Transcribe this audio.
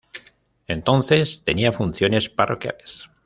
Entonces tenía funciones parroquiales.